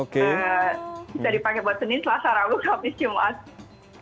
bisa dipakai buat senin selasa rabu habis jumat